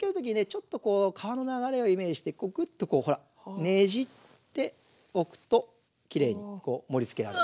ちょっと川の流れをイメージしてクッとこうほらねじって置くときれいに盛りつけられます。